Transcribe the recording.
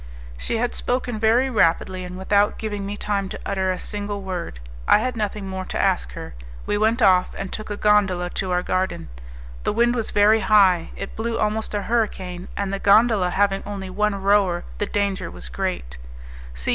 She had spoken very rapidly, and without giving me time to utter a single word; I had nothing more to ask her. We went off, and took a gondola to our garden. The wind was very high, it blew almost a hurricane, and the gondola having only one rower the danger was great.